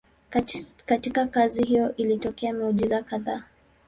Katika kazi hiyo ilitokea miujiza kadhaa.